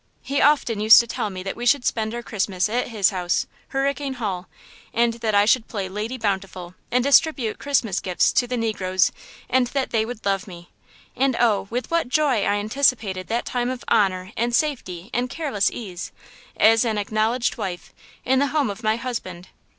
He often used to tell me that we should spend our Christmas at his house, Hurricane Hall, and that I should play Lady Bountiful and distribute Christmas gifts to the negroes and that they would love me. And, oh! with what joy I anticipated that time of honor and safety and careless ease, as an acknowledged wife, in the home of my husband!